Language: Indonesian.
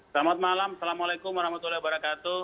selamat malam assalamualaikum warahmatullahi wabarakatuh